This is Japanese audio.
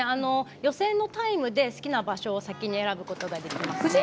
予選のタイムで好きな場所を先に選ぶことができます。